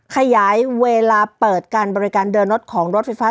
ขยายเวลาเปิดการบริการเดินรถของรถไฟฟ้า